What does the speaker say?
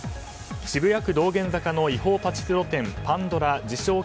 渋谷区道玄坂の違法パチスロ店パンドラ自称